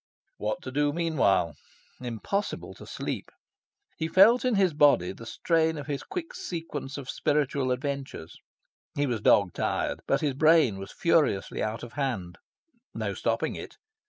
What to do meanwhile? Impossible to sleep. He felt in his body the strain of his quick sequence of spiritual adventures. He was dog tired. But his brain was furiously out of hand: no stopping it.